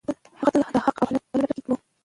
هغه تل د حق او عدالت په لټه کې و.